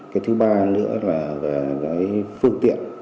cái thứ ba nữa là về cái phương tiện